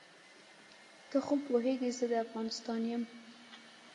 ته خو پوهېږې زه د افغانستان یم.